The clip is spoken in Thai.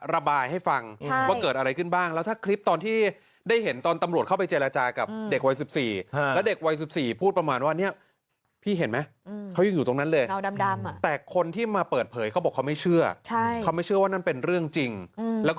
ระบายให้ฟังว่าเกิดอะไรขึ้นบ้างแล้วถ้าคลิปตอนที่ได้เห็นตอนตำรวจเข้าไปเจรจากับเด็กวัย๑๔แล้วเด็กวัย๑๔พูดประมาณว่าเนี่ยพี่เห็นไหมเขายังอยู่ตรงนั้นเลยเตาดำแต่คนที่มาเปิดเผยเขาบอกเขาไม่เชื่อเขาไม่เชื่อว่านั่นเป็นเรื่องจริงแล้วก็